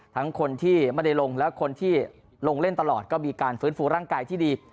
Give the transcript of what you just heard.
ทั้งคนที่ไม่ได้ลงและคนที่ลงเล่นตลอดก็มีการฟื้นฟูร่างกายที่ดี